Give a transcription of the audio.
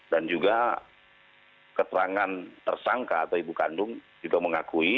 dan juga keterangan tersangka atau ibu kandung juga mengakui